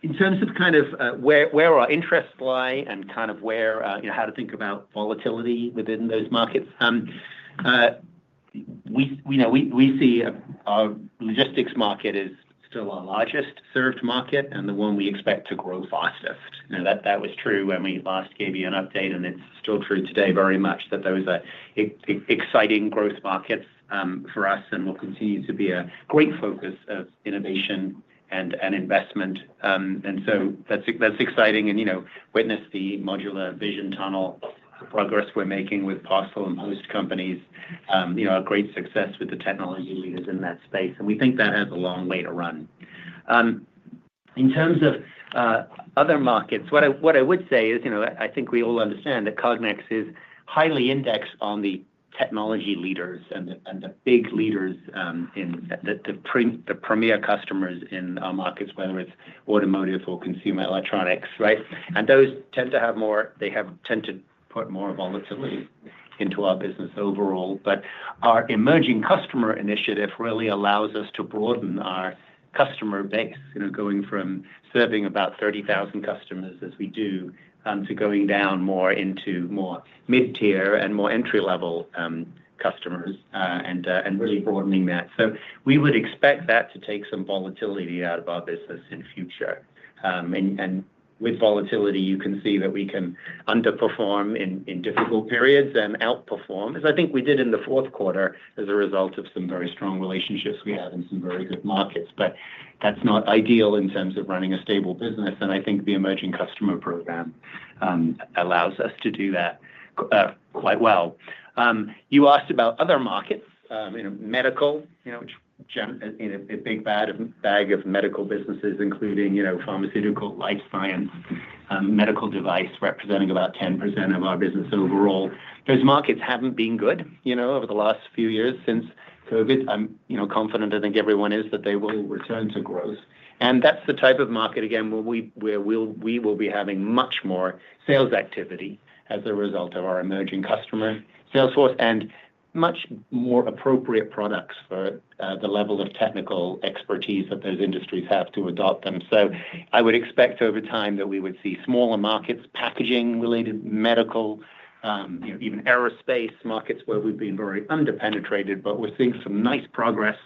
In terms of kind of where our interests lie and kind of how to think about volatility within those markets, we see our logistics market is still our largest served market and the one we expect to grow fastest. That was true when we last gave you an update, and it's still true today very much that those are exciting growth markets for us, and will continue to be a great focus of innovation and investment. And so that's exciting and witness the Modular Vision Tunnel progress we're making with parcel and host companies, a great success with the technology leaders in that space. And we think that has a long way to run. In terms of other markets, what I would say is I think we all understand that Cognex is highly indexed on the technology leaders and the big leaders, the premier customers in our markets, whether it's automotive or consumer electronics, right? And those tend to have more. They tend to put more volatility into our business overall. But our emerging customer initiative really allows us to broaden our customer base, going from serving about 30,000 customers as we do to going down more into more mid-tier and more entry-level customers and really broadening that. So we would expect that to take some volatility out of our business in future. And with volatility, you can see that we can under-perform in difficult periods and outperform, as I think we did in the fourth quarter as a result of some very strong relationships we have in some very good markets. But that's not ideal in terms of running a stable business, and I think the emerging customer program allows us to do that quite well. You asked about other markets, medical, which is a big bag of medical businesses, including pharmaceutical, life science, medical device, representing about 10% of our business overall. Those markets haven't been good over the last few years since COVID. I'm confident, I think everyone is, that they will return to growth, and that's the type of market, again, where we will be having much more sales activity as a result of our emerging customer sales force and much more appropriate products for the level of technical expertise that those industries have to adopt them, so I would expect over time that we would see smaller markets, packaging-related, medical, even aerospace markets where we've been very under-penetrated, but we're seeing some nice progress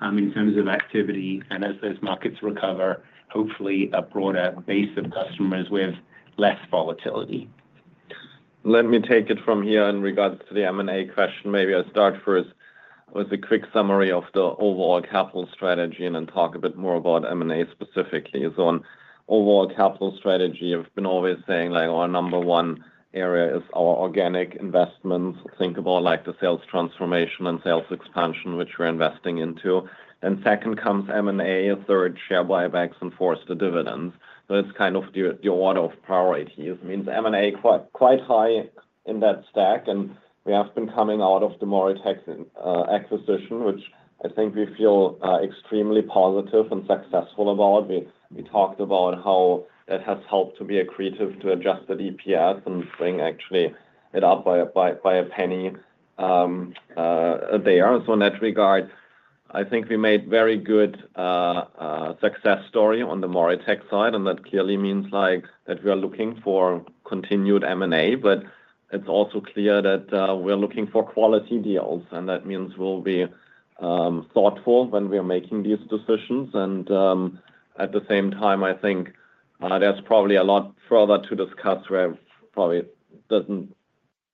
in terms of activity. And as those markets recover, hopefully a broader base of customers with less volatility. Let me take it from here in regards to the M&A question. Maybe I'll start first with a quick summary of the overall capital strategy and then talk a bit more about M&A specifically. So on overall capital strategy, I've been always saying our number one area is our organic investments. Think about the sales transformation and sales expansion, which we're investing into. And second comes M&A, third share buybacks, and fourth the dividends. So it's kind of the order of priorities. It means M&A quite high in that stack, and we have been coming out of the MORITEX acquisition, which I think we feel extremely positive and successful about. We talked about how that has helped to be accretive to adjusted EPS and bring actually it up by $0.01 there. So in that regard, I think we made very good success story on the MORITEX side, and that clearly means that we are looking for continued M&A, but it's also clear that we're looking for quality deals, and that means we'll be thoughtful when we are making these decisions. And at the same time, I think there's probably a lot further to discuss. We probably don't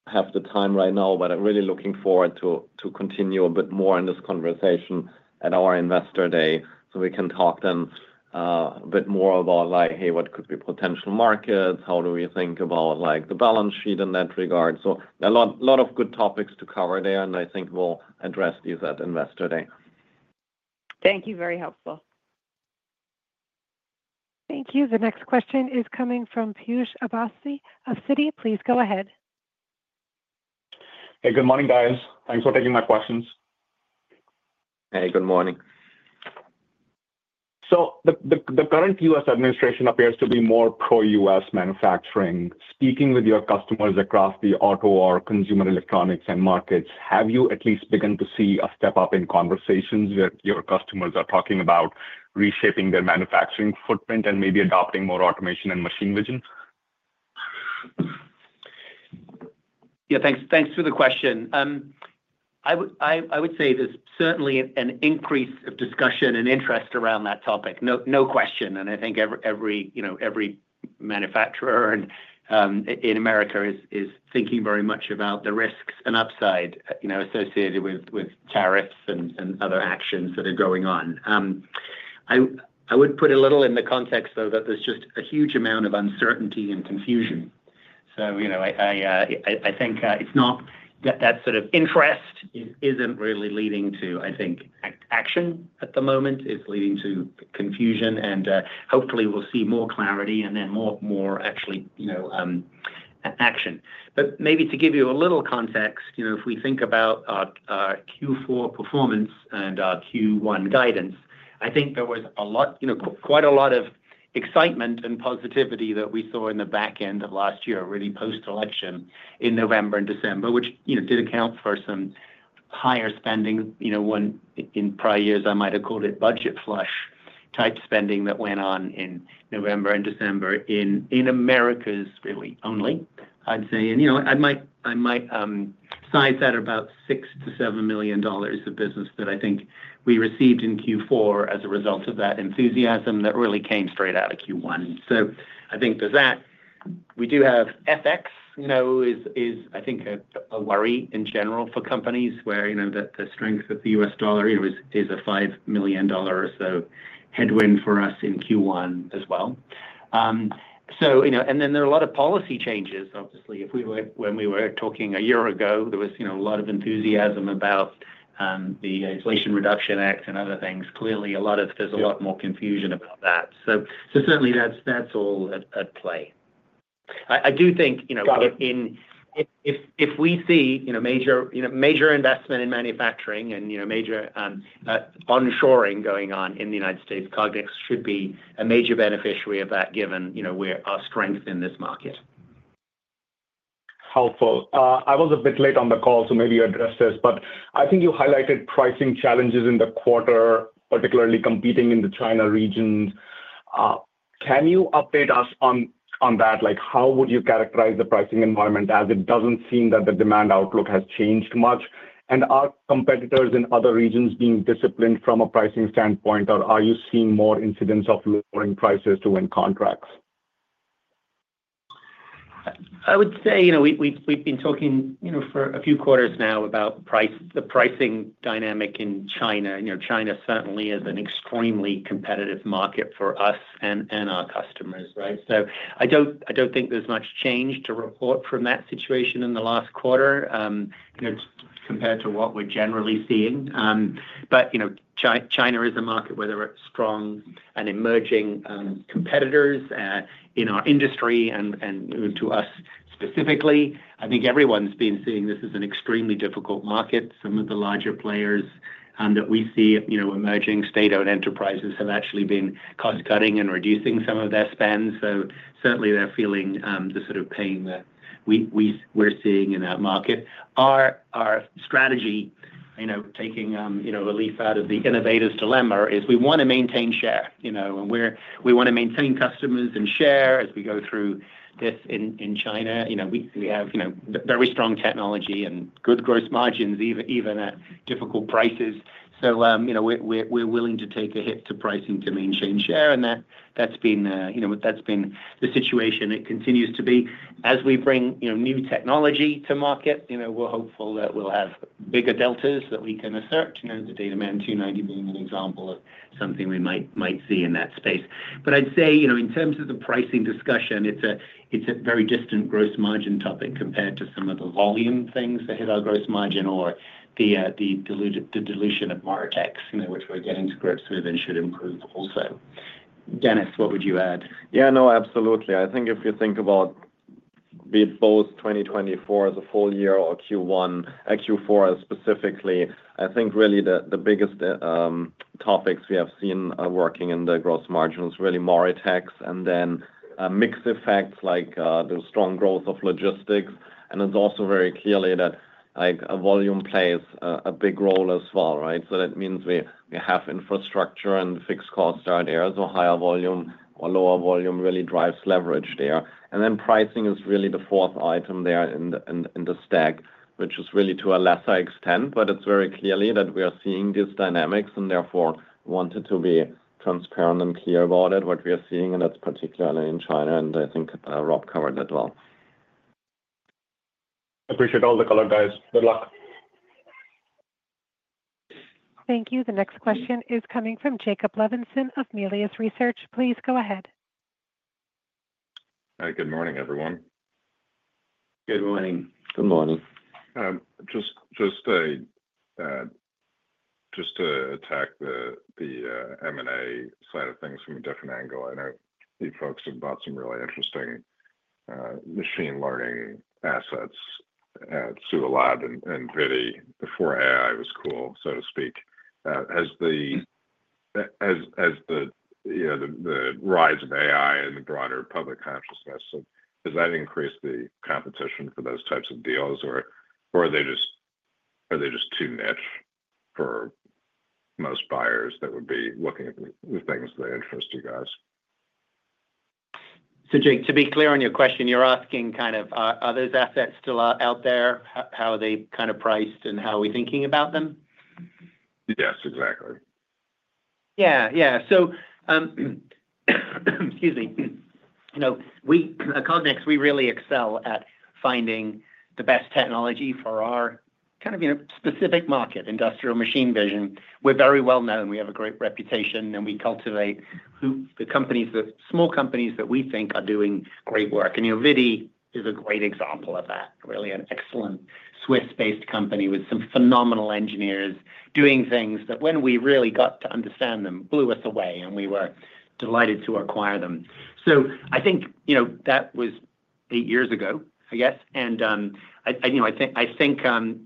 have the time right now, but I'm really looking forward to continue a bit more in this conversation at our investor day so we can talk then a bit more about, hey, what could be potential markets? How do we think about the balance sheet in that regard? So a lot of good topics to cover there, and I think we'll address these at investor day. Thank you. Very helpful. Thank you. The next question is coming from Piyush Avasthy. Of Citi, please go ahead. Hey, good morning, guys. Thanks for taking my questions. Hey, good morning. So the current U.S. administration appears to be more pro-U.S. manufacturing. Speaking with your customers across the auto or consumer electronics and markets, have you at least begun to see a step up in conversations where your customers are talking about reshaping their manufacturing footprint and maybe adopting more automation and machine vision? Yeah. Thanks for the question. I would say there's certainly an increase of discussion and interest around that topic. No question. And I think every manufacturer in America is thinking very much about the risks and upside associated with tariffs and other actions that are going on. I would put a little in the context, though, that there's just a huge amount of uncertainty and confusion. I think it's not that sort of interest isn't really leading to, I think, action at the moment. It's leading to confusion, and hopefully, we'll see more clarity and then more actually action. But maybe to give you a little context, if we think about our Q4 performance and our Q1 guidance, I think there was quite a lot of excitement and positivity that we saw in the back end of last year, really post-election in November and December, which did account for some higher spending. In prior-years, I might have called it budget flush type spending that went on in November and December in Americas really only, I'd say. And I might size that at about $6 million-$7 million of business that I think we received in Q4 as a result of that enthusiasm that really came straight out of Q1. So I think there's that. We do have FX, which is, I think, a worry in general for companies where the strength of the U.S. dollar is a $5 million or so headwind for us in Q1 as well. And then there are a lot of policy changes. Obviously, when we were talking a year ago, there was a lot of enthusiasm about the Inflation Reduction Act and other things. Clearly, there's a lot more confusion about that. So certainly, that's all at play. I do think if we see major investment in manufacturing and major onshoring going on in the United States, Cognex should be a major beneficiary of that given our strength in this market. Helpful. I was a bit late on the call, so maybe you addressed this, but I think you highlighted pricing challenges in the quarter, particularly competing in the China region. Can you update us on that? How would you characterize the pricing environment as it doesn't seem that the demand outlook has changed much, and are competitors in other regions being disciplined from a pricing standpoint, or are you seeing more incidents of lowering prices to win contracts? I would say we've been talking for a few quarters now about the pricing dynamic in China. China certainly is an extremely competitive market for us and our customers, right, so I don't think there's much change to report from that situation in the last quarter compared to what we're generally seeing, but China is a market where there are strong and emerging competitors in our industry and to us specifically. I think everyone's been seeing this as an extremely difficult market. Some of the larger players that we see emerging, state-owned enterprises have actually been cost-cutting and reducing some of their spend. So certainly, they're feeling the sort of pain that we're seeing in that market. Our strategy, taking a leaf out of the Innovator's Dilemma, is we want to maintain share. We want to maintain customers and share as we go through this in China. We have very strong technology and good gross margins even at difficult prices. So we're willing to take a hit to pricing to maintain share, and that's been the situation. It continues to be. As we bring new technology to market, we're hopeful that we'll have bigger deltas that we can assert, the DataMan 290 being an example of something we might see in that space. But I'd say in terms of the pricing discussion, it's a very distant gross margin topic compared to some of the volume things that hit our gross margin or the dilution of MORITEX, which we're getting to grips with and should improve also. Dennis, what would you add? Yeah. No, absolutely. I think if you think about both 2024 as a full year or Q4 specifically, I think really the biggest topics we have seen working in the gross margin is really MORITEX and then mixed effects like the strong growth of logistics, and it's also very clear that volume plays a big role as well, right? That means we have infrastructure and fixed costs out there, so higher volume or lower volume really drives leverage there. And then pricing is really the fourth item there in the stack, which is really to a lesser extent, but it's very clearly that we are seeing these dynamics and therefore wanted to be transparent and clear about it, what we are seeing, and that's particularly in China. And I think Rob covered that well. Appreciate all the color, guys. Good luck. Thank you. The next question is coming from Jacob Levinson of Melius Research. Please go ahead. Hi. Good morning, everyone. Good morning. Good morning. Just to attack the M&A side of things from a different angle, I know you focused on some really interesting machine learning assets at SUALAB and ViDi Systems before AI was cool, so to speak. Has the rise of AI and the broader public consciousness, has that increased the competition for those types of deals, or are they just too niche for most buyers that would be looking at the things that interest you guys? So Jake, to be clear on your question, you're asking kind of are those assets still out there? How are they kind of priced and how are we thinking about them? Yes, exactly. Yeah. Yeah. So excuse me. At Cognex, we really excel at finding the best technology for our kind of specific market, industrial machine vision. We're very well known. We have a great reputation, and we cultivate the small companies that we think are doing great work. And ViDi is a great example of that, really an excellent Swiss-based company with some phenomenal engineers doing things that when we really got to understand them, blew us away, and we were delighted to acquire them. So I think that was eight years ago, I guess. And I think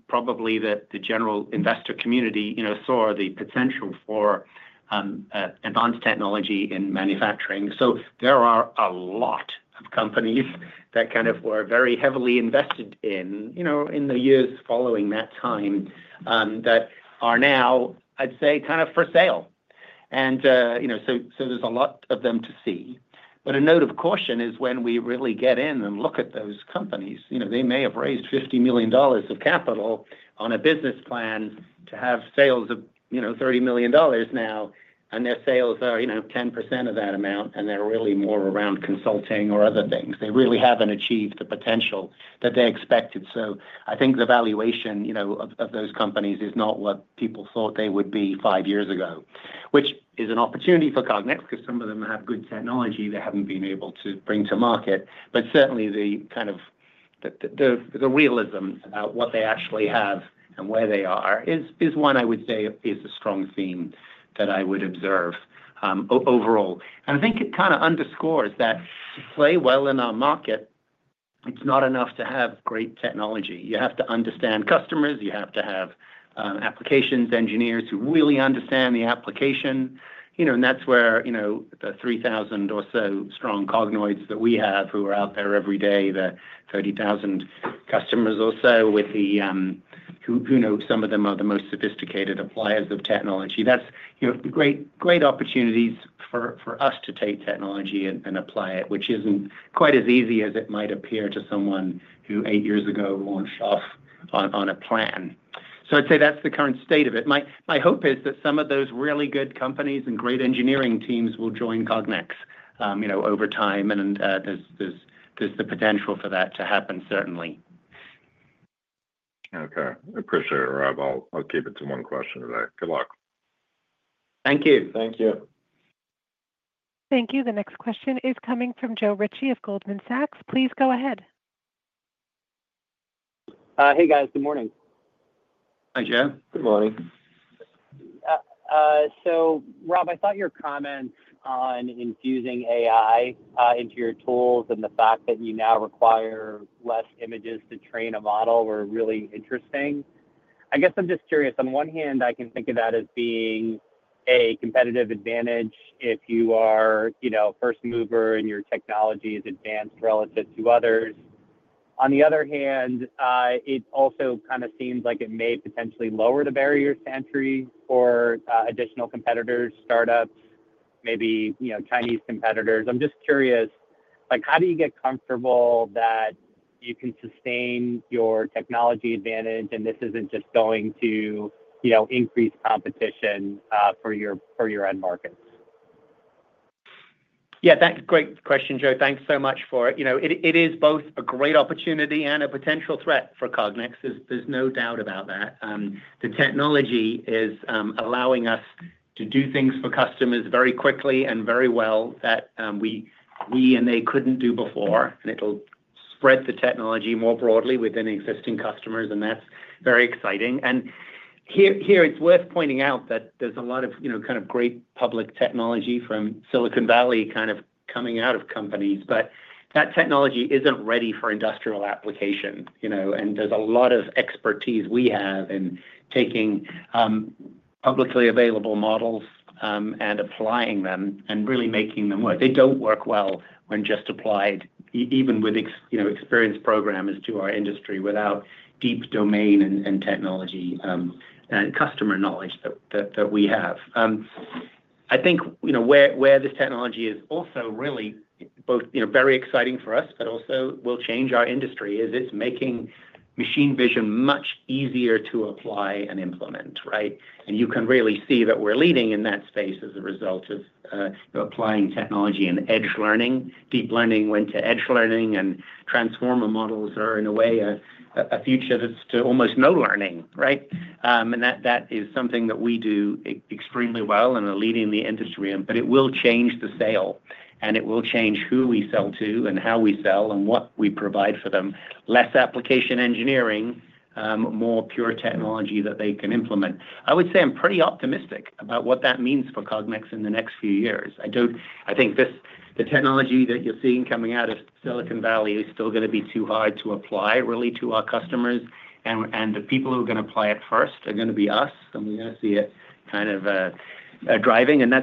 probably that the general investor community saw the potential for advanced technology in manufacturing. So there are a lot of companies that kind of were very heavily invested in the years following that time that are now, I'd say, kind of for sale. And so there's a lot of them to see. But a note of caution is when we really get in and look at those companies. They may have raised $50 million of capital on a business plan to have sales of $30 million now, and their sales are 10% of that amount, and they're really more around consulting or other things. They really haven't achieved the potential that they expected. So I think the valuation of those companies is not what people thought they would be five years ago, which is an opportunity for Cognex because some of them have good technology they haven't been able to bring to market. But certainly, the kind of realism about what they actually have and where they are is one. I would say is a strong theme that I would observe overall. I think it kind of underscores that to play well in our market, it's not enough to have great technology. You have to understand customers. You have to have applications engineers who really understand the application. And that's where the 3,000 or so strong Cognoids that we have who are out there every day, the 30,000 customers or so with whom we know some of them are the most sophisticated appliers of technology. That's great opportunities for us to take technology and apply it, which isn't quite as easy as it might appear to someone who eight years ago launched off on a plan. So I'd say that's the current state of it. My hope is that some of those really good companies and great engineering teams will join Cognex over time, and there's the potential for that to happen, certainly. Okay. Appreciate it, Rob. I'll keep it to one question today. Good luck. Thank you. Thank you. Thank you. The next question is coming from Joe Ritchie of Goldman Sachs. Please go ahead. Hey, guys. Good morning. Hi, Joe. Good morning. So Rob, I thought your comments on infusing AI into your tools and the fact that you now require less images to train a model were really interesting. I guess I'm just curious. On one hand, I can think of that as being a competitive advantage if you are a first mover and your technology is advanced relative to others. On the other hand, it also kind of seems like it may potentially lower the barrier to entry for additional competitors, startups, maybe Chinese competitors. I'm just curious, how do you get comfortable that you can sustain your technology advantage and this isn't just going to increase competition for your end markets? Yeah. Great question, Joe. Thanks so much for it. It is both a great opportunity and a potential threat for Cognex. There's no doubt about that. The technology is allowing us to do things for customers very quickly and very well that we and they couldn't do before. And it'll spread the technology more broadly within existing customers, and that's very exciting. And here, it's worth pointing out that there's a lot of kind of great public technology from Silicon Valley kind of coming out of companies, but that technology isn't ready for industrial application. And there's a lot of expertise we have in taking publicly available models and applying them and really making them work. They don't work well when just applied, even with experienced programmers to our industry without deep domain and technology and customer knowledge that we have. I think where this technology is also really both very exciting for us, but also will change our industry is it's making machine vision much easier to apply and implement, right? And you can really see that we're leading in that space as a result of applying technology and edge learning, deep learning went to edge learning, and transformer models are in a way a future that's to almost no learning, right? And that is something that we do extremely well and are leading the industry in, but it will change the sales, and it will change who we sell to and how we sell and what we provide for them. Less application engineering, more pure technology that they can implement. I would say I'm pretty optimistic about what that means for Cognex in the next few years. I think the technology that you're seeing coming out of Silicon Valley is still going to be too hard to apply really to our customers. And the people who are going to apply it first are going to be us, and we're going to see it kind of driving. And I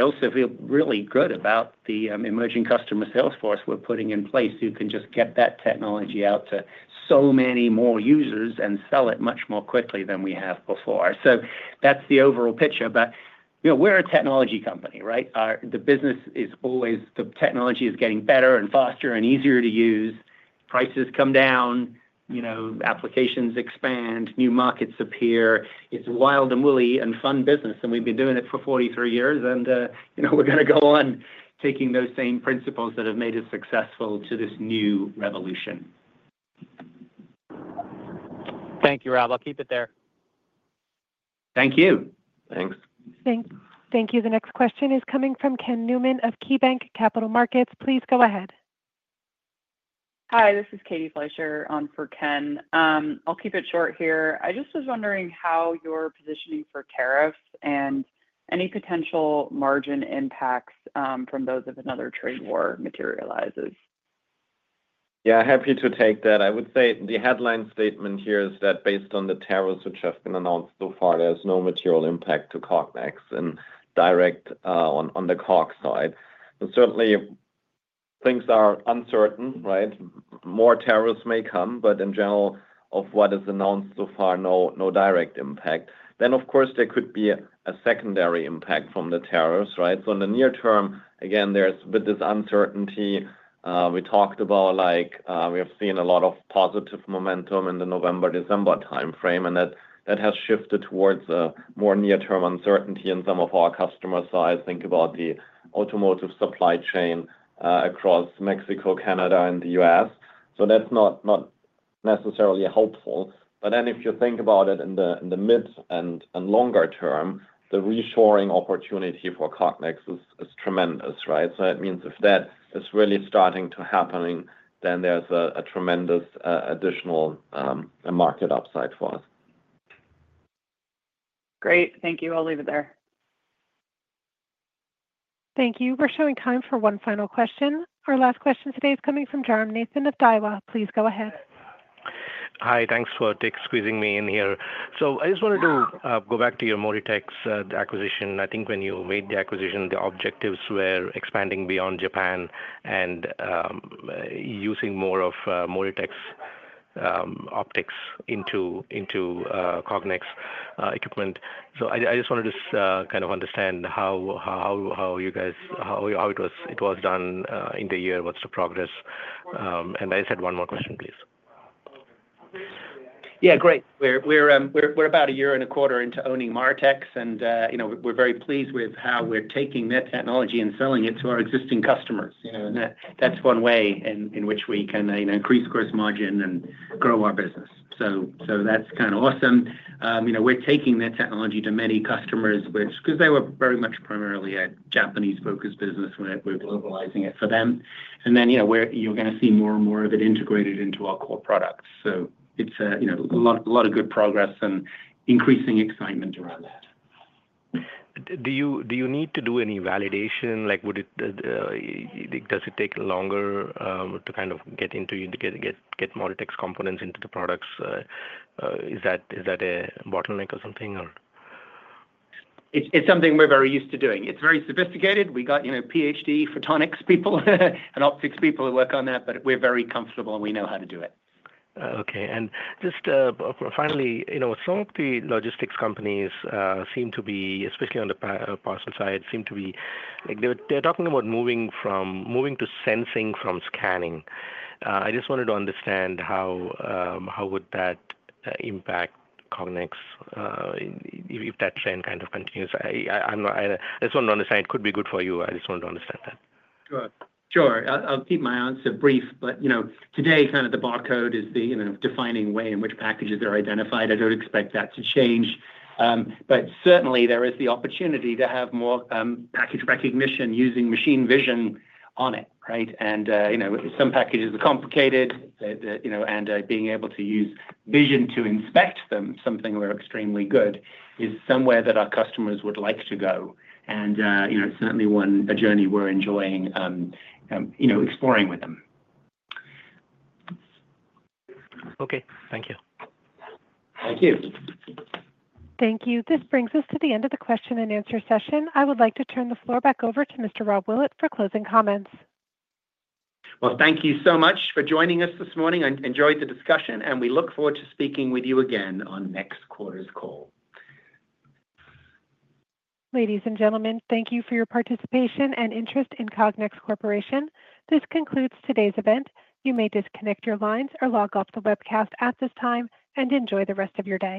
also feel really good about the emerging customer sales force we're putting in place who can just get that technology out to so many more users and sell it much more quickly than we have before. So that's the overall picture. But we're a technology company, right? The business is always the technology is getting better and faster and easier to use. Prices come down, applications expand, new markets appear. It's wild and woolly and fun business, and we've been doing it for 43 years, and we're going to go on taking those same principles that have made us successful to this new revolution. Thank you, Rob. I'll keep it there. Thank you. Thanks. Thank you. The next question is coming from Ken Newman of KeyBank Capital Markets. Please go ahead. Hi. This is Katie Fleischer on for Ken. I'll keep it short here. I just was wondering how you're positioning for tariffs and any potential margin impacts from those if another trade war materializes. Yeah. Happy to take that. I would say the headline statement here is that based on the tariffs which have been announced so far, there's no material impact to Cognex and directly on the COGS side. And certainly, things are uncertain, right? More tariffs may come, but in general, of what is announced so far, no direct impact. Then, of course, there could be a secondary impact from the tariffs, right? So in the near-term, again, there's a bit of this uncertainty. We talked about we have seen a lot of positive momentum in the November-December timeframe, and that has shifted towards a more near-term uncertainty in some of our customer side. Think about the automotive supply chain across Mexico, Canada, and the U.S. So that's not necessarily helpful. But then if you think about it in the mid and longer-term, the reshoring opportunity for Cognex is tremendous, right? So that means if that is really starting to happen, then there's a tremendous additional market upside for us. Great. Thank you. I'll leave it there. Thank you for taking the time for one final question. Our last question today is coming from Jairam Nathan of Daiwa. Please go ahead. Hi. Thanks for squeezing me in here. So I just wanted to go back to your MORITEX acquisition. I think when you made the acquisition, the objectives were expanding beyond Japan and using more of MORITEX optics into Cognex equipment. So I just wanted to kind of understand how you guys, how it was done in the year, what's the progress. And I just had one more question, please. Yeah. Great. We're about a year and a quarter into owning MORITEX, and we're very pleased with how we're taking that technology and selling it to our existing customers. That's one way in which we can increase gross margin and grow our business. So that's kind of awesome. We're taking that technology to many customers because they were very much primarily a Japanese-focused business when we were globalizing it for them, and then you're going to see more and more of it integrated into our core products, so it's a lot of good progress and increasing excitement around that. Do you need to do any validation? Does it take longer to kind of get MORITEX components into the products? Is that a bottleneck or something, or? It's something we're very used to doing. It's very sophisticated. We got PhD photonics people and optics people who work on that, but we're very comfortable, and we know how to do it. Okay, and just finally, some of the logistics companies seem to be, especially on the parcel side, they're talking about moving to sensing from scanning. I just wanted to understand how would that impact Cognex if that trend kind of continues. I just wanted to understand. It could be good for you. I just wanted to understand that. Sure. I'll keep my answer brief, but today, kind of the barcode is the defining way in which packages are identified. I don't expect that to change, but certainly, there is the opportunity to have more package recognition using machine vision on it, right? And some packages are complicated, and being able to use vision to inspect them, something we're extremely good, is somewhere that our customers would like to go. And certainly, a journey we're enjoying exploring with them. Okay. Thank you. Thank you. Thank you. This brings us to the end of the question and answer session. I would like to turn the floor back over to Mr. Rob Willett for closing comments. Thank you so much for joining us this morning. I enjoyed the discussion, and we look forward to speaking with you again on next quarter's call. Ladies and gentlemen, thank you for your participation and interest in Cognex Corporation. This concludes today's event. You may disconnect your lines or log off the webcast at this time and enjoy the rest of your day.